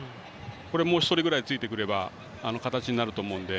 もう１人ぐらいついてくれば形になると思うので。